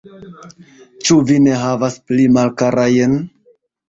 Ĉu vi ne havas pli malkarajn?